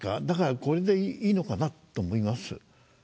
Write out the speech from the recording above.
だからこれでいいのかなと思います。